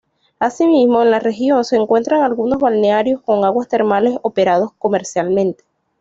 Así mismo, en la región se encuentran algunos balnearios con aguas termales operados comercialmente.